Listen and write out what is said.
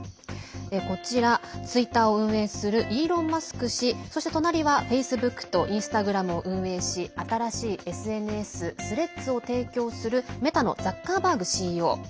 こちら、ツイッターを運営するイーロン・マスク氏そして隣はフェイスブックとインスタグラムを運営し新しいＳＮＳスレッズを提供するメタのザッカーバーグＣＥＯ。